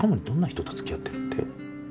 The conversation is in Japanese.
どんな人とつきあってるって？